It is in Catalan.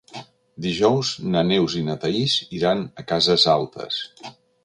Dijous na Neus i na Thaís iran a Cases Altes.